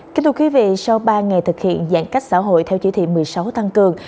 kính thưa quý vị sau ba ngày thực hiện giãn cách xã hội theo chỉ thị một mươi sáu tăng cường